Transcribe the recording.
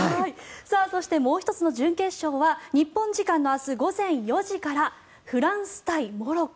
そしてもう１つの準決勝は日本時間の明日午前４時からフランス対モロッコ。